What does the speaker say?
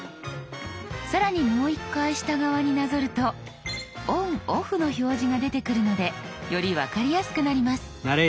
更にもう一回下側になぞると「ＯＮＯＦＦ」の表示が出てくるのでより分かりやすくなります。